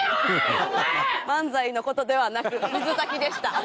漫才の事ではなく水炊きでした。